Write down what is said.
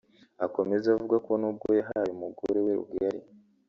Akomeza avuga ko nubwo yahaye umugore we rugari